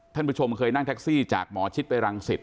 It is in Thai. ท่านผู้ชมเคยนั่งแท็กซี่จากหมอชิดไปรังสิต